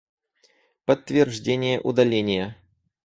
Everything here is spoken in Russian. Подтверждение удаления